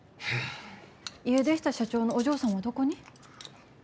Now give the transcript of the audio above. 家出した社長のお嬢さんはどこに？